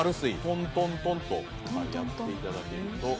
トントントンとやって頂けると。